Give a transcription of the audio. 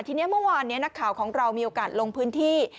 ทีนี้เมื่อวานนี้นักข่าวของเรามีโอกาสลงพื้นที่